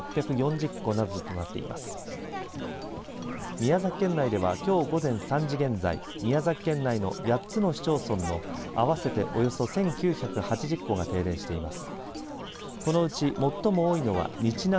宮崎県内ではきょう午前３時現在宮崎県内の８つの市町村の合わせておよそ１９８０戸が停電しています。